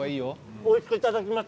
おいしくいただきました。